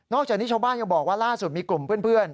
จากนี้ชาวบ้านยังบอกว่าล่าสุดมีกลุ่มเพื่อน